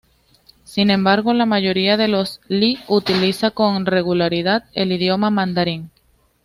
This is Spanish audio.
Sin embargo, la mayoría de los li utiliza con regularidad el idioma mandarín.